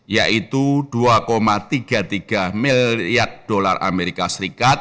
yaitu dua tiga puluh tiga miliar dolar amerika serikat